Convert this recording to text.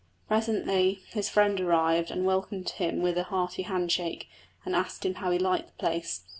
Presently his friend arrived and welcomed him with a hearty hand shake and asked him how he liked the place.